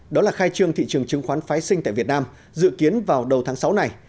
đó là khai trương thị trường chứng khoán phái sinh tại việt nam dự kiến vào đầu tháng sáu này